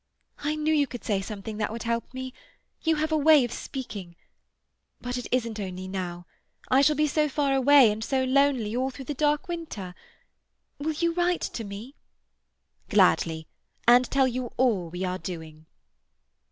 "I knew you could say something that would help me. You have a way of speaking. But it isn't only now. I shall be so far away, and so lonely, all through the dark winter. Will you write to me?" "Gladly. And tell you all we are doing."